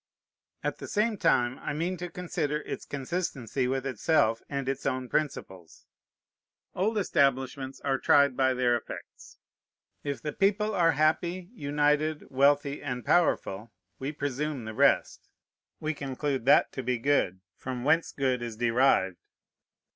At the same time I mean to consider its consistency with itself and its own principles. Old establishments are tried by their effects. If the people are happy, united, wealthy, and powerful, we presume the rest. We conclude that to be good from whence good is derived.